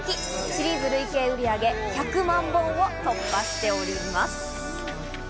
シリーズ累計売り上げ１００万本を突破しております。